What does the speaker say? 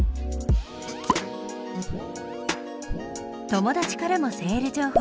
友達からもセール情報。